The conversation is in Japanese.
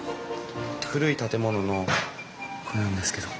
古い建物のこれなんですけど。